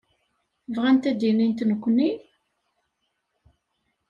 Bɣant ad d-inint nekkni?